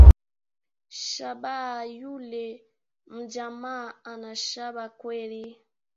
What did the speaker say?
Shabaha…Yule mjamaa ana shaba kweli